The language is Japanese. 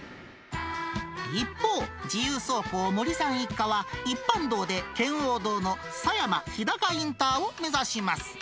一方、自由走行、森さん一家は、一般道で圏央道の狭山日高インターを目指します。